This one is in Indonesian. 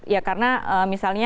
ya karena misalnya